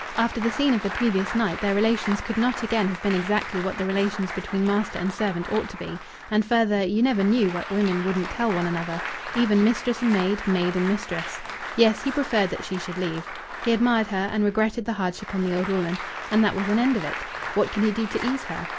After the scene of the previous night, their relations could not again have been exactly what the relations between master and servant ought to be. And further, "you never knew what women wouldn't tell one another," even mistress and maid, maid and mistress. Yes, he preferred that she should leave. He admired her and regretted the hardship on the old woman and that was an end of it! What could he do to ease her?